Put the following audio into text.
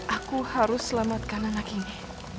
aku harus selamatkan anaknya